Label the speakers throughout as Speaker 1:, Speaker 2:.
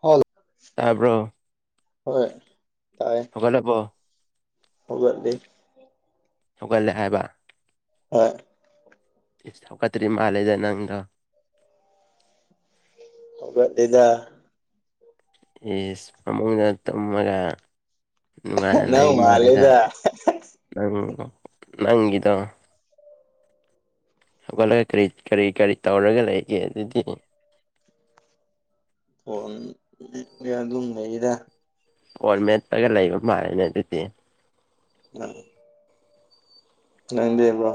Speaker 1: ꯍ
Speaker 2: ꯇꯥꯕ꯭ꯔꯣ
Speaker 1: ꯍꯣꯏ
Speaker 2: ꯐꯒꯦ ꯄꯣ
Speaker 1: ꯍꯕꯗꯗꯤ
Speaker 2: ꯊꯣꯛꯒꯜꯂꯦ ꯍꯥꯏꯕ
Speaker 1: ꯍꯣꯏ
Speaker 2: ꯍꯧꯀꯗ꯭ꯔꯤ ꯃꯥꯜꯂꯦꯗ ꯅꯪꯗꯣ
Speaker 1: [unintelligible]
Speaker 2: ꯌꯦꯁ ꯐꯃꯨꯡꯗ ꯇꯨꯝꯔꯒ ꯅꯨꯡꯉꯥꯏꯅ
Speaker 1: ꯅꯪ
Speaker 2: ꯂꯩꯕ ꯃꯥꯜꯂꯦꯗ
Speaker 1: ꯃꯥꯜꯂꯤꯗ
Speaker 2: ꯅꯪ ꯅꯪꯒꯤꯗꯣ ꯍꯧꯒꯠꯂꯒ ꯀꯔꯤ ꯀꯔꯤ ꯀꯔꯤ ꯇꯧꯔꯒ ꯂꯩꯒꯦ ꯑꯗꯨꯗꯤ
Speaker 1: ꯐꯣꯟ ꯑꯗꯨꯝ ꯂꯩꯗ
Speaker 2: ꯑꯣꯜ ꯃꯦꯠꯄꯒ ꯂꯩꯕ ꯃꯥꯜꯅꯦ ꯑꯗꯨꯗꯤ
Speaker 1: ꯂꯩ ꯅꯪꯗꯦꯕ꯭ꯔꯣ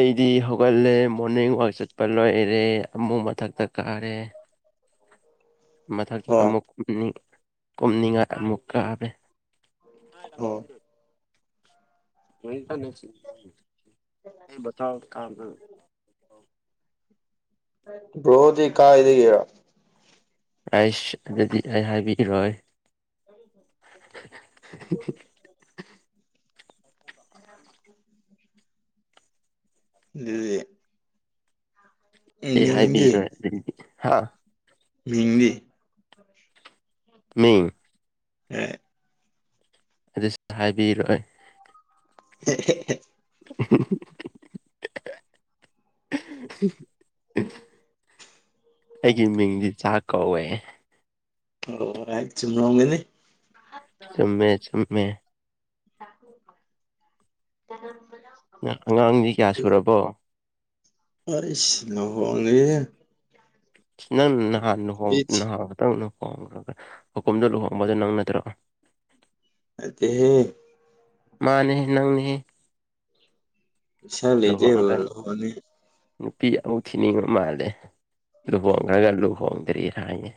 Speaker 2: ꯑꯩꯗꯤ ꯍꯧꯒꯠꯂꯦ ꯃꯣꯔꯅꯤꯡ ꯋꯥꯛ ꯆꯠꯄ ꯂꯣꯏꯔꯦ ꯑꯃꯨꯛ ꯃꯊꯛꯇ ꯀꯥꯔꯦ ꯃꯊꯛꯇ
Speaker 1: ꯍꯣꯏ
Speaker 2: ꯑꯃꯨꯛ ꯀꯨꯝꯅꯤꯡꯉꯥꯏ ꯑꯃꯨꯛ ꯀꯥꯃꯦ
Speaker 1: ꯑꯣ
Speaker 2: ꯑꯣ ꯀꯥ
Speaker 1: ꯣꯗꯤ ꯀꯥꯥꯏꯗꯒꯦꯔ
Speaker 2: ꯔꯥꯏꯁ ꯑꯗꯨꯗꯤ ꯑꯩ ꯍꯥꯏꯕꯤꯔꯣꯏ [unintelligible]
Speaker 1: ꯑ ꯑꯗꯨꯗꯤ
Speaker 2: ꯑꯦ
Speaker 1: ꯃꯤꯡꯗꯤ
Speaker 2: ꯍꯥꯏꯕꯤꯔꯣꯏ ꯑꯗꯨꯗꯤ ꯍꯥ
Speaker 1: ꯃꯤꯡꯗꯤ
Speaker 2: [unintelligible]
Speaker 1: ꯍ
Speaker 2: ꯑꯗꯨꯁꯨ ꯍꯥꯏꯕꯤꯔꯣꯏ
Speaker 1: ꯍꯦ ꯍꯦ ꯍꯦ
Speaker 2: [unintelligible] ꯑꯩꯒꯤ ꯃꯤꯡꯗꯤ ꯆꯥꯛ ꯀꯧꯋꯦ
Speaker 1: ꯑꯣꯥꯏ [unintelligible] ꯒꯅꯤ
Speaker 2: ꯆꯨꯝꯃꯦ ꯆꯨꯝꯃꯦ
Speaker 1: [unintelligible]
Speaker 2: ꯑꯉꯥꯡꯗꯤ ꯀꯌꯥ ꯁꯨꯔꯕꯣ
Speaker 1: ꯍꯥꯏꯁ ꯂꯨꯍꯣꯡꯒ꯭ꯔꯦꯍꯦ
Speaker 2: ꯅꯪ ꯅꯍꯥꯟ ꯂꯨꯍꯣꯡ ꯅꯍꯥꯟꯈꯤꯇꯡ ꯂꯨꯍꯣꯡꯈ꯭ꯔꯒ ꯍꯀꯨꯝꯗ ꯂꯨꯍꯣꯡꯕꯗꯣ ꯅꯪ ꯅꯠꯇ꯭ꯔꯣ
Speaker 1: ꯅꯠꯇꯦꯍꯦ
Speaker 2: ꯃꯥꯅꯤꯍꯦ ꯅꯪꯅꯤꯍꯦ
Speaker 1: ꯄꯩꯁꯥ ꯂꯩꯇꯦ
Speaker 2: ꯂꯨꯍꯣꯡꯒ꯭ꯔꯅꯤ
Speaker 1: ꯂꯨꯍꯣꯡꯉꯅꯤ
Speaker 2: ꯅꯨꯄꯤ ꯑꯃꯨꯛ ꯊꯤꯅꯤꯡꯉ ꯃꯥꯜꯂꯦ ꯂꯨꯍꯣꯡꯈ꯭ꯔꯒ ꯂꯨꯍꯣꯡꯗ꯭ꯔꯤ ꯍꯥꯏꯅꯦ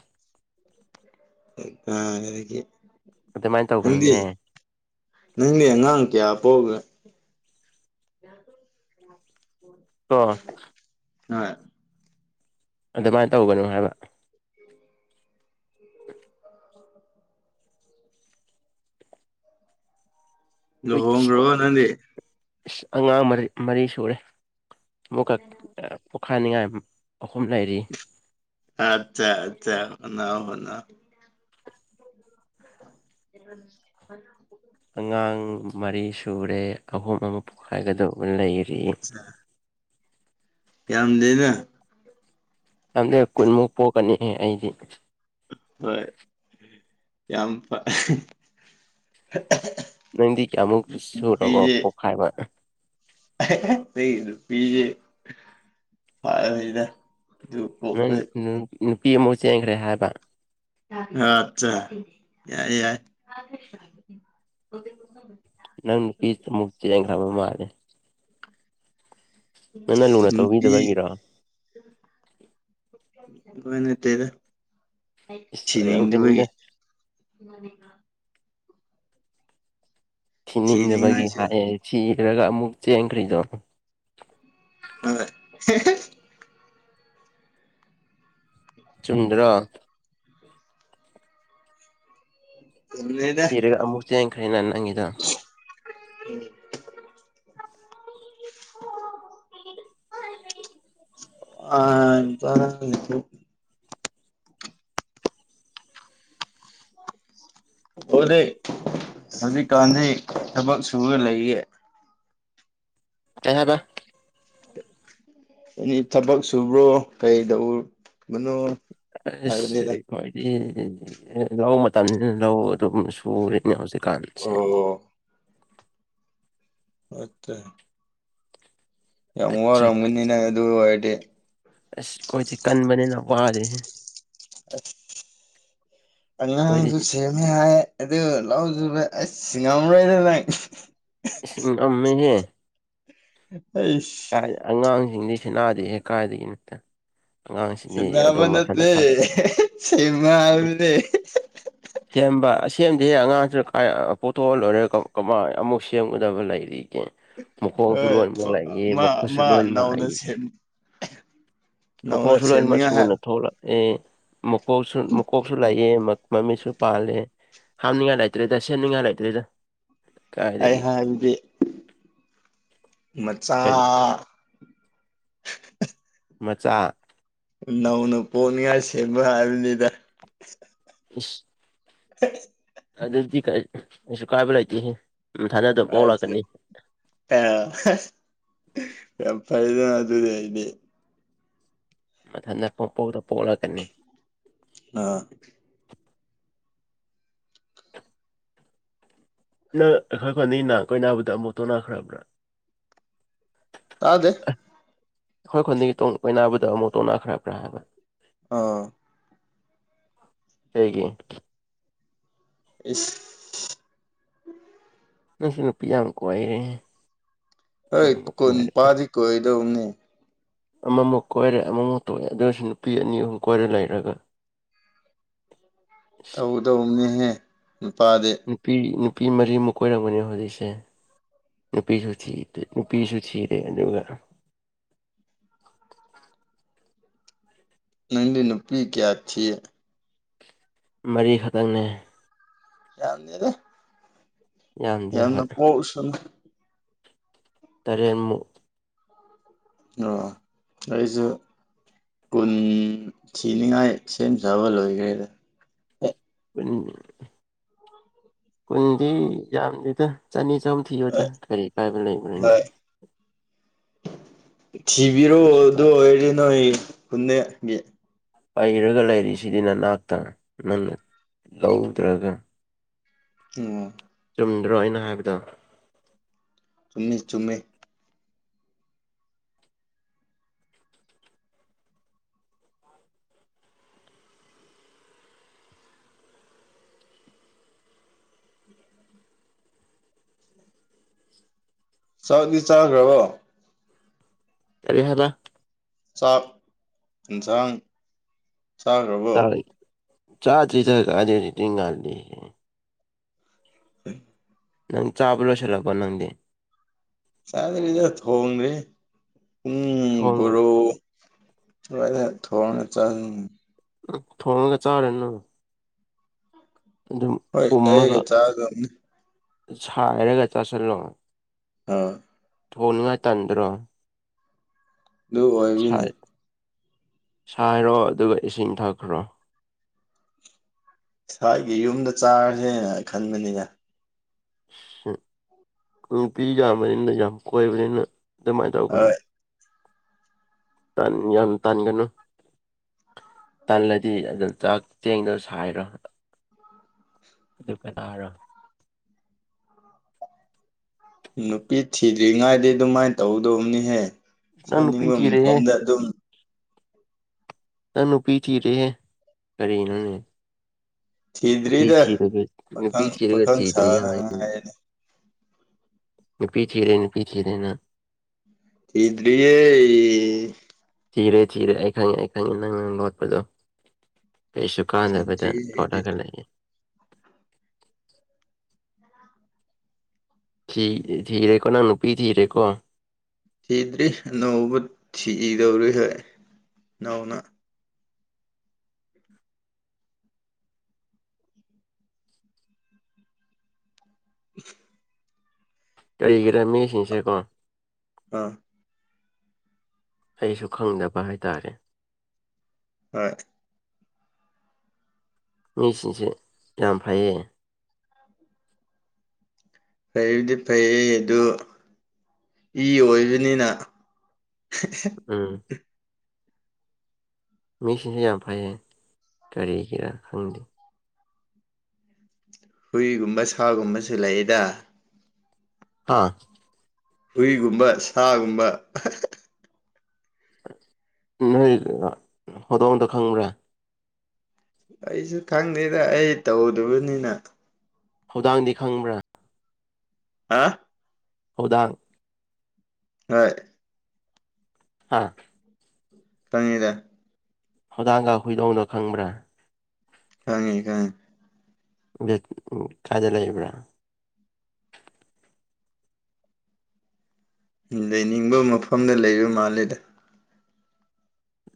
Speaker 1: ꯑ ꯂꯥꯏꯔꯤꯛꯀꯤ
Speaker 2: ꯑꯗꯨꯃꯥꯏꯅ
Speaker 1: ꯅꯪꯗꯤ
Speaker 2: ꯇꯧꯒꯅꯨꯅꯦ
Speaker 1: ꯅꯪꯒꯤ ꯑꯉꯥꯡ ꯀꯌꯥ ꯄꯣꯛꯒꯦ [inaudible]
Speaker 2: ꯀꯣ
Speaker 1: ꯍꯣꯏ
Speaker 2: ꯑꯗꯨꯃꯥꯏ ꯇꯧꯒꯅꯨ ꯍꯥꯏꯕ
Speaker 1: ꯂꯨꯍꯣꯡꯒ‌꯭ꯔꯕ ꯅꯪꯗꯤ
Speaker 2: ꯏꯁ ꯑꯉꯥꯡ ꯃꯔꯤ ꯃꯔꯤ ꯁꯨꯔꯦ ꯑꯃꯨꯛꯀꯛ ꯄꯣꯈꯥꯏꯅꯤꯡꯉꯥꯏ ꯑꯍꯨꯝ ꯂꯩꯔꯤ
Speaker 1: ꯑꯠꯆꯥ ꯑꯠꯆꯥ ꯍꯣꯅꯥꯎ ꯍꯣꯅꯥꯎ [unintelligible]
Speaker 2: ꯑꯉꯥꯡ ꯃꯔꯤ ꯁꯨꯔꯦ ꯑꯍꯨꯝ ꯑꯃ ꯄꯣꯛꯈꯥꯏꯒꯗꯧꯕ ꯂꯩꯔꯤ
Speaker 1: ꯌꯥꯝꯗꯦꯅ
Speaker 2: ꯌꯥꯝꯗꯦ ꯀꯨꯟꯃꯨꯛ ꯄꯣꯛꯀꯅꯤꯍꯦ ꯑꯩꯗꯤ
Speaker 1: ꯍꯣꯏ ꯌꯥꯝ ꯐ
Speaker 2: ꯅꯪꯗꯤ ꯀꯌꯥꯃꯨꯛ ꯁꯨꯔꯕꯣ
Speaker 1: ꯅꯨꯄꯤꯁꯦ
Speaker 2: ꯄꯣꯛꯈꯥꯏꯕ
Speaker 1: ꯑꯩꯒꯤ ꯅꯨꯄꯤꯖꯦ ꯐꯒ꯭ꯔꯦꯗ
Speaker 2: ꯅꯪ ꯅꯪ ꯅꯨꯄꯤ ꯑꯃꯨꯛ ꯆꯦꯟꯈ꯭ꯔꯦ ꯍꯥꯏꯕ
Speaker 1: ꯑꯠꯆꯥ ꯌꯥꯏ ꯌꯥꯏ [unintelligible]
Speaker 2: ꯅꯪ ꯅꯨꯄꯤꯠ ꯑꯃꯨꯛ ꯆꯦꯟꯈ꯭ꯔꯕ ꯃꯥꯜꯂꯦ ꯅꯪꯅ ꯂꯨꯅ
Speaker 1: ꯅꯨꯄꯤ
Speaker 2: ꯇꯧꯕꯤꯗꯕꯒꯤꯔꯣ
Speaker 1: ꯀꯣꯏꯅꯇꯦꯗ
Speaker 2: ꯏꯁ
Speaker 1: ꯊꯤꯅꯤꯡꯗꯕꯒꯤ
Speaker 2: ꯑꯣꯏꯔꯝꯒꯅꯤꯗ
Speaker 1: ꯃꯅꯤꯛꯅ
Speaker 2: ꯊꯤꯅꯤꯡꯗꯅꯕꯒꯤ
Speaker 1: ꯊꯤꯅꯤꯡꯉꯥꯏꯁꯨ
Speaker 2: ꯍꯥꯏꯌꯦ ꯊꯤꯔꯒ ꯑꯃꯨꯛ ꯆꯦꯟꯈ꯭ꯔꯤꯗꯣ
Speaker 1: ꯍꯣꯏ ꯍꯦ ꯍꯦ
Speaker 2: ꯆꯨꯝꯗ꯭ꯔꯣ
Speaker 1: ꯆꯨꯝꯗꯦꯗ
Speaker 2: ꯊꯤꯔꯒ ꯑꯃꯨꯛ ꯆꯦꯟꯈ꯭ꯔꯦꯅ ꯅꯪꯉꯤꯗꯣ
Speaker 1: [unintelligible] [unintelligible] ꯑꯣꯗꯩ ꯍꯧꯖꯤꯛꯀꯥꯟꯁꯤ ꯊꯕꯛ ꯁꯨꯔ ꯂꯩꯌꯦ
Speaker 2: ꯀꯩ ꯍꯥꯏꯕ
Speaker 1: ꯑꯦꯅꯤ ꯊꯕꯛ ꯁꯨꯕ꯭ꯔꯣ ꯀꯩꯗꯧꯕꯅꯣ
Speaker 2: ꯏꯁ
Speaker 1: ꯍꯥꯏꯕꯅꯤꯗ
Speaker 2: ꯑꯩꯈꯣꯏꯗꯤ ꯂꯧ ꯃꯇꯝꯅꯤꯅ ꯂꯧ ꯑꯗꯨꯝ ꯁꯨꯔꯦ ꯅ ꯍꯧꯖꯤꯛꯀꯥꯥꯟꯁꯦ
Speaker 1: ꯑꯣ ꯑꯠꯇ ꯌꯥꯝ
Speaker 2: ꯑꯠꯆꯥ
Speaker 1: ꯋꯥꯔꯝꯒꯅꯤ ꯅꯪ ꯑꯗꯨ ꯑꯣꯏꯔꯗꯤ
Speaker 2: ꯑꯁ ꯑꯩꯈꯣꯏꯗꯤ ꯀꯟꯕꯅꯤꯅ ꯋꯥꯗꯦꯍꯦ
Speaker 1: ꯑꯁ
Speaker 2: ꯑꯩꯈꯣꯏꯗꯤ
Speaker 1: ꯑꯉꯥꯡꯁꯨ ꯁꯦꯝꯃꯦ ꯍꯥꯏ ꯑꯗꯨ ꯂꯧꯖꯨꯕ ꯑꯁ ꯉꯝꯃꯔꯣꯏꯗ ꯅꯪ
Speaker 2: ꯏꯁ ꯉꯝꯃꯦꯍꯦ
Speaker 1: ꯑꯩꯁ
Speaker 2: ꯀꯥꯏ ꯑꯉꯥꯡꯁꯤꯡꯗꯤ ꯁꯦꯟꯅꯥꯗꯦꯍꯦ ꯀꯥꯏꯗꯒꯤ ꯅꯛꯇ
Speaker 1: ꯁꯤꯅꯕ ꯅꯠꯇꯦ
Speaker 2: ꯊꯥꯗꯣꯛ
Speaker 1: ꯁꯦꯝꯕ ꯍꯥꯏꯕꯅꯦ
Speaker 2: ꯁꯦꯝꯕ ꯁꯦꯝꯗꯤ ꯍꯦ ꯑꯉꯥꯡꯁꯤꯅ ꯀ ꯄꯣꯊꯣꯛꯍꯜ ꯂꯣꯏꯔꯦ ꯀꯃꯥꯏꯅ ꯑꯃꯨꯛ ꯁꯦꯝꯉꯨꯗꯕ ꯂꯩꯔꯤꯒꯦ ꯃꯈꯣꯡꯁꯨ
Speaker 1: ꯍꯣꯏ
Speaker 2: ꯂꯣꯏꯅꯃꯛ ꯂꯩꯏ
Speaker 1: ꯃꯥ
Speaker 2: ꯃꯈꯨꯠꯁꯨ
Speaker 1: ꯃꯥ
Speaker 2: ꯂꯣꯏꯃꯛ
Speaker 1: ꯅꯧꯅ
Speaker 2: ꯂꯩꯏ
Speaker 1: ꯁꯦꯝ ꯅꯧꯅ
Speaker 2: ꯃꯈꯣꯡꯁꯨ ꯂꯣꯏꯅꯃꯛ
Speaker 1: ꯁꯦꯝꯅꯤꯡꯉꯥꯏ ꯍꯥꯏ
Speaker 2: ꯁꯨꯅ ꯊꯣꯛꯂꯛꯑꯦ ꯃꯀꯣꯛꯁꯨ ꯃꯀꯣꯛꯁꯨ ꯂꯥꯛꯑꯦ ꯃꯃꯤꯠꯁꯨ ꯄꯥꯂꯦ ꯍꯥꯞꯅꯤꯡꯉꯥꯏ ꯂꯩꯇ꯭ꯔꯦꯗ ꯁꯦꯝꯅꯤꯡꯉꯥꯏ ꯂꯩꯇ꯭ꯔꯦꯗ
Speaker 1: ꯑꯩ
Speaker 2: ꯀꯥꯏꯗꯒꯤ
Speaker 1: ꯍ ꯑꯗꯨꯗꯤ ꯃꯆꯥ
Speaker 2: ꯀꯔꯤ ꯃꯆꯥ
Speaker 1: ꯅꯧꯅ ꯄꯣꯅꯤꯡꯉꯥꯏ ꯁꯦꯝꯕ ꯍꯥꯏꯕꯅꯤꯗ
Speaker 2: ꯑ
Speaker 1: [unintelligible]
Speaker 2: ꯑꯗꯨꯗꯗꯤ ꯀꯥꯏꯁꯨ ꯀꯥꯏꯕꯂꯇꯍ ꯎ ꯊꯥ
Speaker 1: ꯑꯆ ꯑ ꯐꯥꯏꯗ ꯑꯗꯨꯔ ꯍꯥꯏꯗꯤ
Speaker 2: ꯃꯊꯟꯇꯄꯣꯛꯗ ꯄꯣꯛꯂꯛꯀꯅꯤ
Speaker 1: ꯑ
Speaker 2: ꯅꯪ ꯑꯩꯈꯣꯏ ꯈꯨꯣꯟꯗ ꯅꯥ ꯀꯣꯏ ꯅꯥꯕꯗ ꯑꯃꯨꯣꯠꯇꯣ ꯅꯥꯈ꯭ꯔꯕ꯭ꯔꯥ
Speaker 1: ꯑꯦ
Speaker 2: ꯑꯩꯈꯣꯏ ꯈꯨꯟꯗꯤꯡ ꯀꯣꯏꯅꯥꯕꯨꯗ ꯑꯃꯨꯛ ꯇꯣꯅꯥ ꯈ꯭ꯔꯕ꯭ꯔꯥ ꯍꯥꯏꯕ
Speaker 1: ꯑꯥ
Speaker 2: ꯍꯒꯤ
Speaker 1: ꯏꯁ
Speaker 2: ꯅꯪꯁꯨ ꯅꯨꯄꯤ ꯌꯥꯝ ꯀꯣꯏꯏꯔꯦ
Speaker 1: ꯍꯣꯏ ꯀꯨꯟꯄꯥꯗꯤ ꯀꯣꯏꯗꯧꯅꯤ
Speaker 2: ꯑꯃꯃꯨꯛ ꯀꯣꯏꯔꯦ ꯑꯃꯃꯨꯛ ꯇꯣꯛꯑꯦ ꯑꯗꯨ ꯑꯣꯏꯔꯁꯨ ꯅꯨꯄꯤ ꯑꯅꯤ ꯑꯍꯨꯝ ꯀꯣꯏꯔꯦ ꯂꯩꯔꯒ [inaudible]
Speaker 1: ꯇꯧ ꯇꯧꯅꯦꯍꯦ ꯅꯨꯄꯥꯗꯤ
Speaker 2: ꯅꯨꯄꯤ ꯅꯨꯄꯤ ꯃꯔꯤꯃꯨꯛ ꯀꯣꯏꯔꯛꯄꯅꯦ ꯍꯧꯖꯤꯛꯁꯦ ꯅꯨꯄꯤꯁꯨ ꯊꯤꯦ ꯅꯨꯄꯤꯁꯨ ꯊꯤꯔꯦ ꯑꯗꯨꯒ
Speaker 1: ꯅꯪꯗꯤ ꯅꯨꯄꯤ ꯀꯌꯥ ꯊꯤ
Speaker 2: ꯃꯔꯤꯈꯛꯇꯪꯅꯦ
Speaker 1: ꯌꯥꯔꯤ
Speaker 2: ꯌꯥꯝꯗꯦ
Speaker 1: ꯌꯥꯝꯅ
Speaker 2: ꯍꯣꯏ
Speaker 1: ꯄꯣꯁ
Speaker 2: ꯇꯔꯦꯠꯃꯨꯛ
Speaker 1: [unintelligible] ꯑꯣ ꯑꯩꯁꯨ ꯀꯨꯟ ꯊꯤꯅꯤꯉꯥꯏ ꯁꯦꯝ ꯁꯥꯕ ꯂꯣꯏꯈ꯭ꯔꯦꯗ
Speaker 2: ꯎ ꯀꯨꯟꯗꯤ ꯌꯥꯝꯗꯦꯗ ꯆꯅꯤ ꯆꯍꯨꯝ ꯊꯤꯌꯣꯗ ꯀꯔꯤ ꯀꯥꯏꯕ ꯂꯩꯕꯅꯣꯅꯦ
Speaker 1: ꯍꯣꯏ ꯊꯤꯕꯤꯔꯛꯑꯣ
Speaker 2: ꯀꯩꯁꯨ
Speaker 1: ꯑꯗꯨ
Speaker 2: ꯀꯥꯏ
Speaker 1: ꯑꯣꯏꯔ ꯅꯣꯏ ꯄꯨꯟꯅꯦꯛꯒꯤ
Speaker 2: ꯄꯩꯔꯒ ꯂꯩꯔꯤꯁꯤꯗꯤ ꯅꯅꯥꯛꯇ ꯅꯪꯅ ꯂꯧꯗ꯭ꯔꯦꯖ
Speaker 1: ꯑꯣ
Speaker 2: ꯆꯨꯝꯗ꯭ꯔꯣ ꯑꯩꯅ ꯍꯥꯏꯕꯗꯣ
Speaker 1: ꯆꯨꯝꯃꯦ ꯆꯨꯝꯃꯦ ꯆꯥꯛꯅꯤ ꯆꯥꯈ꯭ꯔꯕꯣ
Speaker 2: ꯀꯔꯤ ꯍꯥꯏꯕ
Speaker 1: ꯆꯥꯛ ꯌꯦꯟꯁꯥꯡ ꯆꯥꯈ꯭ꯔꯕꯣ
Speaker 2: ꯆ ꯆꯥ ꯆꯔꯤ ꯆ ꯀꯗꯇꯤꯡ
Speaker 1: ꯎ
Speaker 2: ꯅꯪ ꯆꯥꯕ ꯂꯣꯏꯁꯤꯜꯂꯛꯄ ꯅꯪꯗꯤ
Speaker 1: ꯆꯗꯔꯤꯗ ꯊ‌‌ꯣꯡꯅ꯭ꯔꯤ ꯎꯝ
Speaker 2: ꯊꯣꯡꯒꯅꯨ
Speaker 1: ꯚꯔꯣ ꯅ‌ꯣꯏꯅ ꯊꯧꯔꯡꯅꯆꯟ
Speaker 2: ꯎꯝ ꯊꯣꯡꯉꯒ ꯆꯥꯔꯦꯅ ꯅꯪ
Speaker 1: ꯍꯣꯏ ꯂꯩꯔꯒ ꯆꯥꯒꯝꯅꯤ
Speaker 2: ꯁꯔꯒ ꯆꯥꯁꯤꯜꯂꯣ
Speaker 1: ꯑꯥ
Speaker 2: ꯊ‌ꯣꯅꯤꯉꯥꯏ ꯇꯟꯗ꯭ꯔ‌ꯣ
Speaker 1: ꯑꯗꯨ ꯑꯣꯏꯕꯤꯅꯤ
Speaker 2: ꯁꯥꯏ ꯁꯥꯏꯔꯣ ꯑꯗꯨꯒ ꯏꯁꯤꯡ ꯊꯛꯈ꯭ꯔꯣ
Speaker 1: ꯁ꯭ꯋꯥꯏꯒꯤ ꯌꯨꯝꯗ ꯆꯥꯔꯁꯦ ꯈꯟꯕꯅꯤꯅ
Speaker 2: ꯍꯝ ꯅꯨꯄꯤ ꯌꯥꯝꯕꯅꯤꯅ ꯌꯥꯝ ꯀꯣꯏꯕꯅꯤꯅ ꯑꯗꯨꯃꯥꯏꯅ ꯇꯧꯒꯅꯨ
Speaker 1: ꯍꯣꯏ
Speaker 2: ꯇꯟ ꯌꯥꯝ ꯇꯥꯟꯒꯅꯨ ꯇꯜꯂꯗꯤ ꯑꯗꯨꯝ ꯆꯥꯛ ꯆꯦꯡꯗꯨ ꯁꯥꯏꯔꯣ ꯑꯗꯨꯒ ꯀꯇꯥꯔꯣ
Speaker 1: ꯅꯨꯄꯤ ꯊꯤꯗ꯭ꯔꯤꯉꯥꯏꯗꯤ ꯑꯗꯨꯃꯥꯏꯅ ꯇꯧꯗꯧꯅꯤꯍꯦ
Speaker 2: ꯅꯪ ꯅꯨꯄꯤ
Speaker 1: ꯆꯥꯅꯤꯡꯕ
Speaker 2: ꯊꯤꯔꯦꯍꯦ
Speaker 1: ꯃꯐꯝꯗ ꯑꯗꯨꯝ
Speaker 2: ꯅꯪ ꯅꯨꯄꯤ ꯊꯤꯔ‌ꯦꯍ‌ꯦ ꯀꯔꯤꯅ‌ꯣꯅꯦ
Speaker 1: ꯊꯤꯗ꯭ꯔꯤꯗ
Speaker 2: ꯅꯨꯄꯤ
Speaker 1: ꯄꯥꯈꯪ
Speaker 2: ꯊꯤꯔꯒ
Speaker 1: ꯄꯥꯈꯪ
Speaker 2: ꯊꯤꯗ꯭ꯔꯤ
Speaker 1: ꯁꯥꯗ
Speaker 2: ꯍꯥꯏ
Speaker 1: ꯉꯥꯏꯔꯤꯅ
Speaker 2: ꯅꯨꯄꯤ ꯊꯤꯔꯦ ꯅꯨꯄꯤ ꯊꯤꯔꯦꯅ
Speaker 1: ꯊꯤꯗꯔꯤꯌꯦ
Speaker 2: ꯊꯤꯔꯦ ꯊꯤꯔꯦ ꯑꯩ ꯈꯪꯉꯦ ꯑꯩ ꯈꯪꯉꯦ ꯅꯪꯅ ꯂ‌ꯣꯠꯄꯗ‌ꯣ ꯀꯩꯁꯨ ꯀꯥꯟꯅꯕꯗ
Speaker 1: ꯊꯤꯗ꯭ꯔꯤ ꯑꯩꯗꯤ
Speaker 2: ꯍꯣꯠꯅꯒ ꯂꯩꯌ‌ꯦ ꯊꯤ ꯊꯤꯔꯦꯀꯣ ꯅꯪ ꯅꯨꯄꯤ ꯊꯤꯔꯦꯀꯣ
Speaker 1: ꯊꯤꯗ꯭ꯔꯤ ꯑꯅꯧꯕ ꯊꯤꯗꯧꯔꯤ ꯍꯣꯏ ꯅꯅꯥꯎꯅ [unintelligible]
Speaker 2: ꯀꯔꯤꯒꯤꯔꯦ ꯃꯤꯁꯤꯡꯁꯦꯀꯣ
Speaker 1: ꯑ
Speaker 2: ꯑꯩꯁꯨ ꯈꯪꯗꯕ ꯍꯥꯏꯇꯥꯔꯦ
Speaker 1: ꯍꯣꯏ
Speaker 2: ꯃꯤꯁꯤꯡꯁ‌ꯦ ꯌꯥꯝ ꯐꯩꯌ‌ꯦ
Speaker 1: ꯐꯩꯕꯨꯗꯤ ꯐꯩ ꯑꯗꯨ ꯏ ꯑꯣꯏꯕꯅꯤꯅ
Speaker 2: ꯎꯝ ꯃꯤꯁꯤꯡꯁ‌ꯦ ꯌꯥꯝ ꯐꯩꯌꯦ ꯀꯔꯤꯒꯤꯔꯥ ꯈꯪꯗꯦ
Speaker 1: ꯍꯨꯏꯒꯨꯝꯕ ꯁꯥꯒꯨꯝꯕꯁꯨ ꯂꯩꯗ
Speaker 2: ꯍꯥꯥ
Speaker 1: ꯍꯨꯏꯒꯨꯝꯕ ꯁꯥꯒꯨꯝꯕ
Speaker 2: ꯅꯣꯏ ꯍꯧꯗꯣꯡꯗꯨ ꯈꯪꯕ꯭ꯔꯥ
Speaker 1: ꯑꯩꯁꯨ ꯈꯪꯗꯦꯗ ꯑꯩ ꯇꯧꯗꯕꯅꯤꯅ
Speaker 2: ꯍꯧꯗꯥꯡꯗꯤ ꯈꯪꯕ꯭ꯔꯥ
Speaker 1: ꯍꯥ
Speaker 2: ꯍꯧꯗꯥꯡ
Speaker 1: ꯍꯣꯏ
Speaker 2: ꯑꯥ
Speaker 1: ꯄꯪꯉꯤꯗ
Speaker 2: ꯍꯧꯗꯥꯡꯒ ꯍꯨꯏꯗꯣꯡꯗꯣ ꯈꯪꯕ꯭ꯔꯥ
Speaker 1: ꯈꯪꯉꯦ ꯈꯪꯉꯦ
Speaker 2: ꯕ‌ꯦꯠ ꯎꯝ ꯀꯥꯏꯗ ꯂꯩꯕ꯭ꯔꯥ
Speaker 1: ꯂꯩꯅꯤꯡꯕ ꯃꯐꯝꯗ ꯂꯩꯔꯨ ꯃꯥꯜꯂꯦꯗ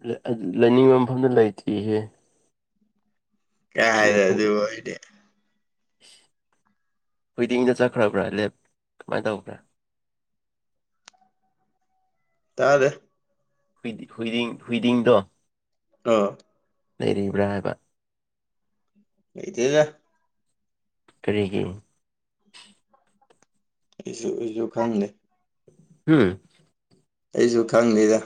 Speaker 2: ꯂ ꯑ ꯂꯩꯅꯤꯡꯕ ꯃꯐꯝꯗ ꯂꯩꯇ꯭ꯔꯤꯌ‌ꯦ
Speaker 1: ꯑ ꯍꯥꯏꯗ ꯑꯗꯨ
Speaker 2: ꯐꯪ
Speaker 1: ꯍꯥꯏꯗꯤꯦ
Speaker 2: ꯍꯨꯏꯗꯤꯡꯗ ꯆꯠꯈ꯭ꯔꯕ꯭ꯔꯥ ꯂꯦꯞ ꯀꯃꯥꯏꯅ ꯇꯧꯕ꯭ꯔꯥ
Speaker 1: ꯇꯥꯔꯦ
Speaker 2: ꯍꯨꯏꯗꯤ ꯍꯨꯏꯗꯤ ꯍꯨꯏꯗꯤꯡꯗꯣ
Speaker 1: ꯑꯥ
Speaker 2: ꯂꯩꯔꯤꯕ꯭ꯔꯥ ꯍꯥꯏꯕ
Speaker 1: ꯑꯩꯇꯗ
Speaker 2: ꯀꯔꯤꯒꯤ
Speaker 1: ꯑꯩꯁꯨ ꯑꯩꯁꯨ ꯈꯪꯗꯦ
Speaker 2: ꯎꯝ
Speaker 1: ꯑꯩꯁꯨ ꯈꯪꯗꯦꯗ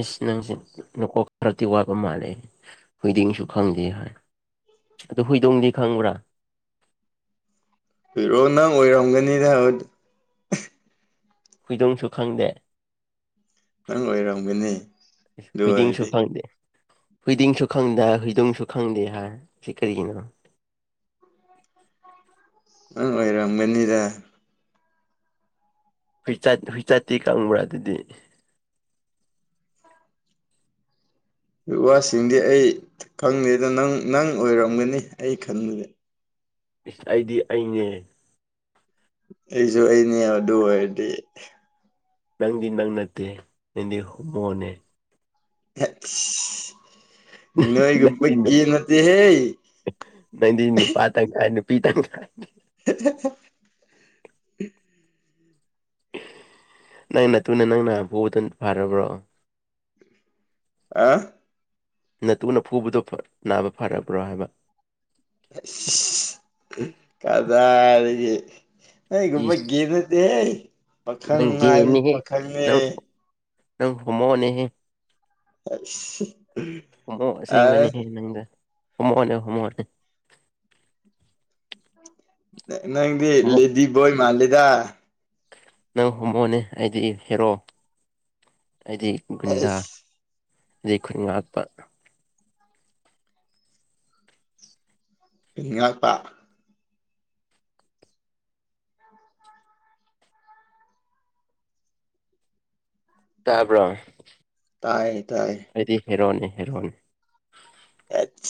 Speaker 2: ꯏꯁ ꯅꯪꯁꯦ ꯅꯀꯣꯛ ꯈꯔꯗꯤꯤ ꯋꯥꯕ ꯃꯥꯜꯂꯦ ꯍꯨꯏꯗꯤꯡꯁꯨ ꯈꯪꯗꯦ ꯍꯥꯏ ꯑꯣ ꯍꯨꯏꯗꯣꯝꯗꯤ ꯈꯪꯕ꯭ꯔꯥ
Speaker 1: ꯄꯔꯣꯑꯣ ꯅꯪ ꯑꯣꯏꯔꯝꯒꯅꯤꯗ
Speaker 2: ꯐꯨꯏꯗꯣꯡꯁꯨ ꯈꯪꯗꯦ
Speaker 1: ꯅꯪ ꯑꯣꯏꯔꯝꯒꯅꯤ ꯑꯗꯨ
Speaker 2: ꯍꯨꯏꯗꯤꯡꯁꯨ
Speaker 1: ꯑꯣꯏꯔꯗꯤ
Speaker 2: ꯈꯪꯗꯦ ꯍꯨꯗꯤꯡꯁꯨ ꯈꯪꯗꯦ ꯍꯏꯗꯣꯡꯁꯨ ꯈꯪꯗꯦ ꯍꯥꯏ ꯁꯤꯦ ꯀꯔꯤꯒꯤꯅꯣ
Speaker 1: ꯅꯪ ꯑꯣꯏꯔꯝꯒꯅꯤꯗ
Speaker 2: ꯍꯨꯏꯆꯠ ꯍꯨꯏꯆꯠꯇꯤ ꯀꯥꯡꯪꯕ꯭ꯔꯥ ꯑꯗꯨꯗꯤ
Speaker 1: ꯋꯥꯁꯤꯡꯗꯤ ꯑꯩ ꯈꯪꯗꯦꯗ ꯅꯪ ꯅꯪ ꯑꯣꯏꯔꯝꯒꯅꯤ ꯑꯩ ꯈꯟꯕꯗꯤ
Speaker 2: ꯏꯁ ꯑꯩꯗꯤ ꯑꯩꯅꯦ
Speaker 1: ꯑꯩꯁꯨ ꯑꯩꯅꯦ ꯑꯗꯨ ꯑꯣꯏꯔꯗꯤ
Speaker 2: ꯅꯗꯤꯤꯟꯕ ꯅꯠꯇ ꯅꯗꯤ ꯍ ꯃꯅꯦ
Speaker 1: ꯉꯣꯏꯒꯄꯒ ꯅꯠꯇ ꯍꯦ
Speaker 2: ꯅꯗꯤ ꯏꯟꯅ ꯄꯥꯇ ꯀꯥꯏ ꯏ ꯄꯤꯇꯪ ꯀꯥꯏ
Speaker 1: [inaudible]
Speaker 2: ꯅꯪꯅ ꯇꯨꯅ ꯅꯪꯅ ꯐꯗ ꯐꯔꯕ꯭ꯔꯣ
Speaker 1: ꯑ
Speaker 2: ꯅꯠꯇꯨꯅ ꯐꯨꯕꯗꯣ ꯅꯥꯕ ꯐꯔꯕ꯭ꯔꯣ ꯍꯥꯏꯕ
Speaker 1: ꯑꯁ ꯀꯗꯥꯗꯒꯤ ꯑꯩꯒꯨꯝꯕ
Speaker 2: ꯏꯁ
Speaker 1: ꯦꯅꯗꯦ ꯄꯥꯈꯪ
Speaker 2: ꯅꯪ
Speaker 1: ꯉꯥꯏꯕꯁꯨ
Speaker 2: ꯒꯦꯅꯦꯍꯦ
Speaker 1: ꯄꯥꯈꯪꯅꯦ
Speaker 2: ꯅꯪ ꯅꯪ ꯍꯣꯃꯣꯅꯦꯍꯦ
Speaker 1: ꯑ
Speaker 2: ꯍꯣꯃꯣꯁꯦꯡꯕꯅꯦ ꯅꯪꯒ ꯍꯣꯃꯣꯅꯦ ꯍꯣꯃꯣꯅꯦ
Speaker 1: ꯅꯪꯗꯤ
Speaker 2: ꯍꯣꯃꯣ
Speaker 1: ꯂꯤꯦꯗꯤꯕꯣꯏ ꯃꯥꯜꯂꯦꯗ
Speaker 2: ꯅꯪ ꯍꯣꯃꯣꯅꯦ ꯑꯩꯗꯤ ꯍꯦꯔꯣ ꯑꯩꯗꯤ ꯒꯨꯟꯗꯥ
Speaker 1: ꯑꯁ
Speaker 2: ꯂꯩꯩ ꯈꯨꯟ ꯉ ꯍꯥꯠꯄ
Speaker 1: ꯏꯉ ꯄ
Speaker 2: ꯇꯥꯕ꯭ꯔꯣ
Speaker 1: ꯇꯥꯏꯌꯦ ꯇꯥꯏꯌꯦ
Speaker 2: ꯑꯩꯗꯤ ꯍꯦꯔꯣꯟꯅꯤ ꯍꯦꯔꯣꯅꯤ
Speaker 1: ꯑꯦꯠ